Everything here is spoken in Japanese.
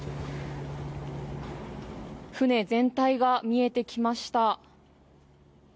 船全体が見えてきました。